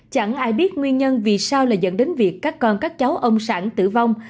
chẳng ai biết nguyên nhân vì sao lại dẫn đến việc các con các cháu ông sản tử vong